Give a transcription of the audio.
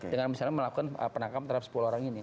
dengan misalnya melakukan penangkapan terhadap sepuluh orang ini